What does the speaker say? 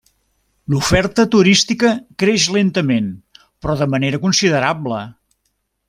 L'oferta turística creix lentament, però de manera considerable.